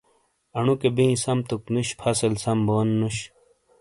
اݨوکے بِیں سم توک نُوش فصل سَم بونُو نش